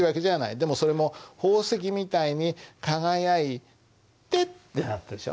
でもそれも「宝石みたいに輝いて」ってなってるでしょ。